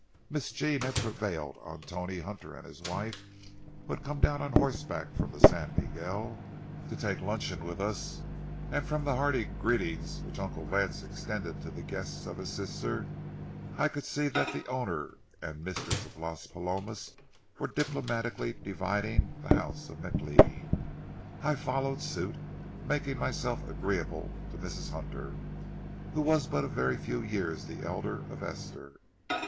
Miss Jean had prevailed on Tony Hunter and his wife, who had come down on horseback from the San Miguel, to take luncheon with us, and from the hearty greetings which Uncle Lance extended to the guests of his sister, I could see that the owner and mistress of Las Palomas were diplomatically dividing the house of McLeod. I followed suit, making myself agreeable to Mrs. Hunter, who was but very few years the elder of Esther.